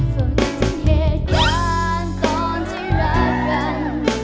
ส่วนเหตุการณ์ก่อนที่รักกัน